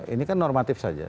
ini kan normatif saja